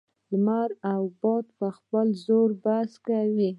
لمر او باد په خپل زور بحث کاوه.